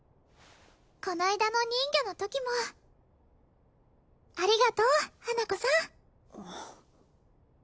この間の人魚のときもありがとう花子さん